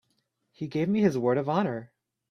He gave me his word of honor.